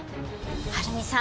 晴美さん